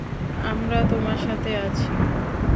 আমরা তোমার সাথে আছি!